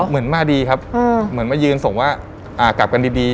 เหมือนมาดีครับเหมือนมายืนส่งว่ากลับกันดี